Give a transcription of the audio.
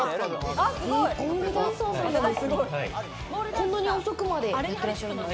こんなに遅くまでやってらっしゃるんですか？